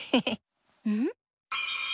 うん？